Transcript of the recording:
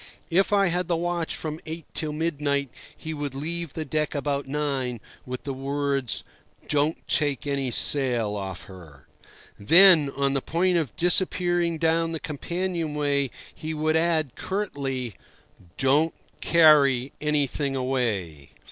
If I had the watch from eight till midnight, he would leave the deck about nine with the words, "Don't take any sail off her." Then, on the point of disappearing down the companion way, he would add curtly: "Don't carry anything away."